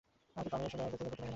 আমি আর এসব করতে পারবো না।